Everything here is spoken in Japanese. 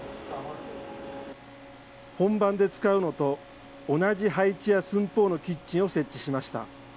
本番で使うのと同じ配置や寸法のキッチンを設置しました。